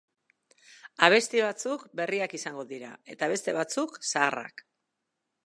Abesti batzuk berriak izango dira eta beste batzuk zaharrak.